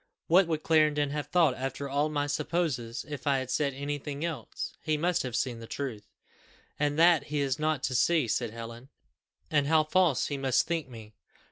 What would Clarendon have thought, after all my supposes, if I had said any thing else? he must have seen the truth." "And that he is not to see," said Helen: "and how false he must think me!"